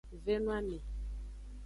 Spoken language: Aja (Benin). Ve no ame.